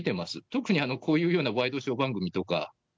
特にこういうようなワイドショー番組とか。